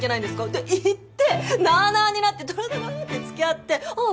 で行ってなあなあになってダラダラって付き合ってああ